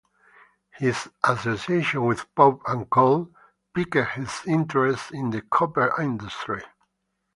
His association with Pope and Cole piqued his interest in the copper industry.